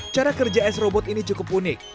cara kerja s robot ini cukup unik